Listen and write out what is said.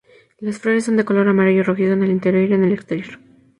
Las flores son de color amarillo rojizo en el interior y en el exterior.